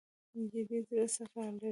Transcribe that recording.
نجلۍ زړه صفا لري.